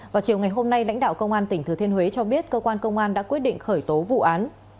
vào chiều ngày hôm nay lãnh đạo công an tỉnh thừa thiên huế cho biết cơ quan công an đã quyết định khởi tố vụ án